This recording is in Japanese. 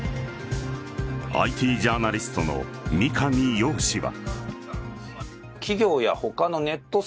ＩＴジャーナリストの三上洋氏は。